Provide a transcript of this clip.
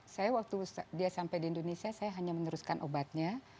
saya waktu dia sampai di indonesia saya hanya meneruskan obatnya